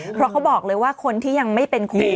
เพราะเขาบอกเลยว่าคนที่ยังไม่เป็นครู